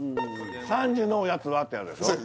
「三時のおやつは」ってやつでしょ？